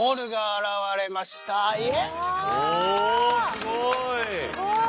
すごい！